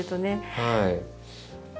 はい。